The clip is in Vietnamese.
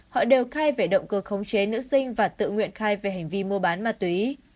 họ đều khai về động cơ khống chế nữ sinh và tự nguyện khai về hành vi mua bán ma túy